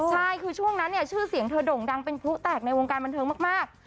ใช่คือช่วงนั้นเนี่ยชื่อเสียงเธอโด่งดังเป็นพลุแตกในวงการบันเทิงมาก